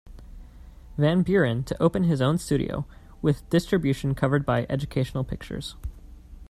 Van Beuren to open his own studio, with distribution covered by Educational Pictures.